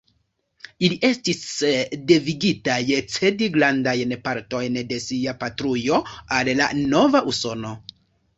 Ili estis devigitaj cedi grandajn partojn de sia patrujo al la nova Usono.